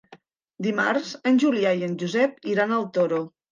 Dimarts en Julià i en Josep iran al Toro.